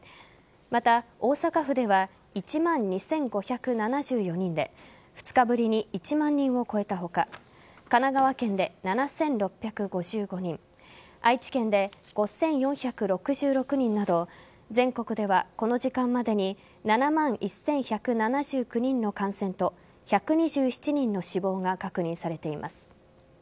また、大阪府では１万２５７４人で２日ぶりに１万人を超えた他神奈川県で７６５５人愛知県で５４６６人など全国ではこの時間までに７万１１７９人の感染と１２７人の死亡が確認されています。